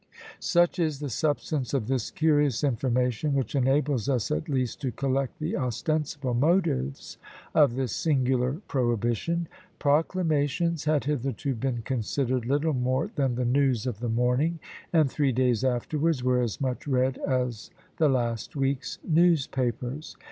Such is the substance of this curious information, which enables us at least to collect the ostensible motives of this singular prohibition. Proclamations had hitherto been considered little more than the news of the morning, and three days afterwards were as much read as the last week's newspapers.